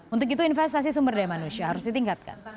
untuk itu investasi sumber daya manusia harus ditingkatkan